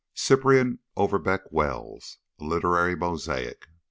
CYPRIAN OVERBECK WELLS A LITERARY MOSAIC.